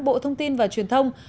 bộ thông tin và truyền thông